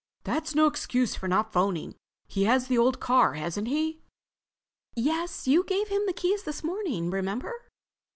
"That's no excuse for not phoning. He has the old car, hasn't he?" "Yes. You gave him the keys this morning, remember?"